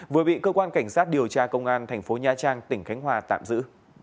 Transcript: vừa bị cơ quan cảnh sát điều tra công an thành phố nha trang tỉnh khánh hòa tạm giữ